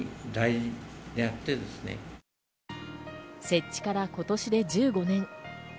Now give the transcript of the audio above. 設置から今年で１５年。